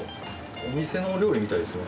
お店のお料理みたいですね。